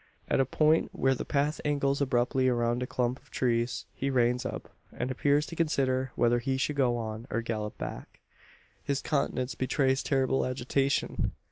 At a point where the path angles abruptly round a clump of trees, he reins up, and appears to consider whether he should go on, or gallop back. His countenance betrays terrible agitation.